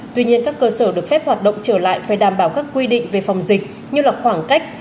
tuy nhiên các cơ sở được phép hoạt động trở lại phải đảm bảo các quy định về phòng dịch như là khoảng cách